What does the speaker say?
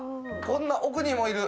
こんな奥にもいる！